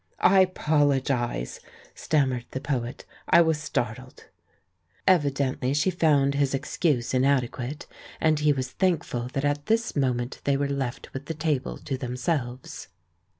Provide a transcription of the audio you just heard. "I apologise," stammered the poet; "I was startled." Evidently she found his excuse inadequate, and he was thankful that at this moment they were left with the table to themselves.